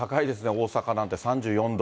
大阪なんて３４度。